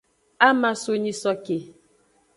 Ama so nyisoke.